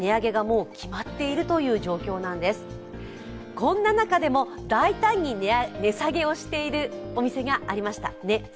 こんな中でも大胆に値下げをしているお店がありました。